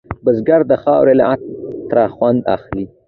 بزګر د خاورې له عطره خوند اخلي